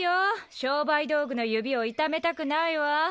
商売道具の指を痛めたくないわ。